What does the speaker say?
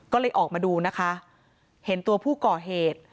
ก็เลยออกมาดูนะคะเห็นตัวผู้ก่อเหตุ